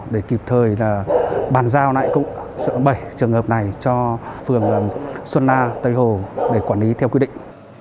để kịp thời là bàn giao lại bảy trường hợp này cho phường xuân la tây hồ để quản lý theo quy định